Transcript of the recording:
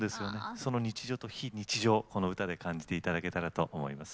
その日常と、非日常をこの歌で感じていただけたらと思います。